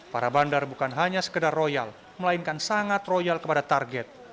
para bandar bukan hanya sekedar royal melainkan sangat royal kepada target